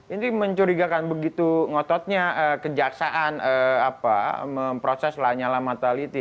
ini mencurigakan begitu ngototnya kejaksaan proses lanyalah mataliti